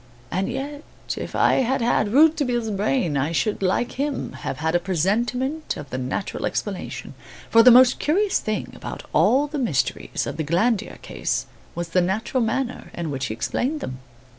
And yet, if I had had Rouletabille's brain, I should, like him, have had a presentiment of the natural explanation; for the most curious thing about all the mysteries of the Glandier case was the natural manner in which he explained them.